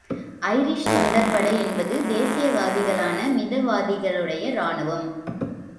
Irish தொண்டர் படை என்பது தேசியவாதிகளான மிதவாதிகளுடைய ராணுவம்.